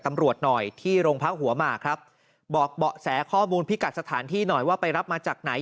ตำรวจหน่อยที่โรงพักหัวหมากครับบอกเบาะแสข้อมูลพิกัดสถานที่หน่อยว่าไปรับมาจากไหน